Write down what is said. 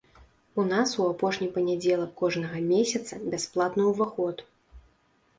У нас у апошні панядзелак кожнага месяца бясплатны ўваход.